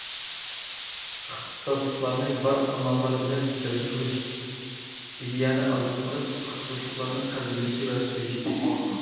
ئىختىساسلىقلارنى بار ئاماللار بىلەن جەلپ قىلىشى، ئىدىيەنى ئازاد قىلىپ، ئىختىساسلىقلارنى قەدىرلىشى ۋە سۆيۈشى كېرەك.